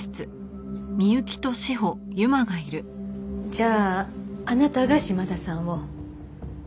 じゃああなたが島田さんを？